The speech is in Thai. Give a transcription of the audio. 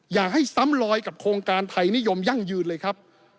อย่าให้ซ้ำลอยกับโครงการไทยนิยมยั่งยืนเลยครับ